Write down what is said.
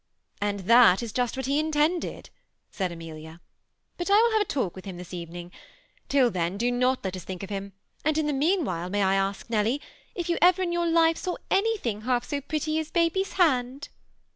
'^ And that is just what he intended," said Amelia ;^ but I will have a talk with him this evening. Till then do not let us think of him, and in the meanwhile may I ask, Nelly, if you ever in your life saw anything half so pretty as baby's hand